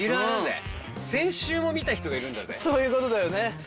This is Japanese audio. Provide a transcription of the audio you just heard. そういうことだよね！